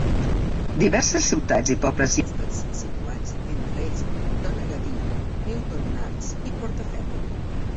Diverses ciutats i pobles hi estan situats, entre ells Donaghadee, Newtownards i Portaferry.